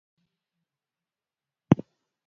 tos? Nee ne kakindena ndooini